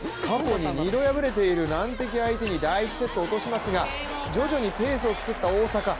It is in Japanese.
過去に２度敗れている難敵相手に第１セットを落としますが徐々にペースをつくった大坂。